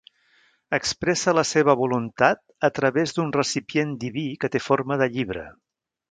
Expressa la seva voluntat a través d'un recipient diví que té forma de llibre.